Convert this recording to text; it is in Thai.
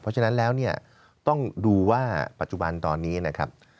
เพราะฉะนั้นแล้วเนี่ยต้องดูว่าปัจจุบันตอนนี้นะครับ